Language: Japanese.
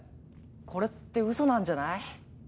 これって嘘なんじゃない？